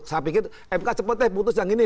saya pikir eh pak cepet deh putus yang ini